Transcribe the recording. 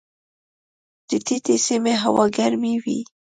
د ټیټې سیمې هوا ګرمې وي.